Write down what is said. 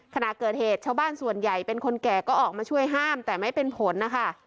ขณะเกิดเหตุชาวบ้านส่วนใหญ่เป็นคนแก่ก็ออกมาช่วยห้ามแต่ไม่เป็นผลนะคะ